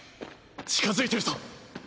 近づいてるぞ。